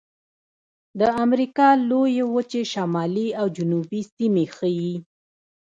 د امریکا لویې وچې شمالي او جنوبي سیمې ښيي.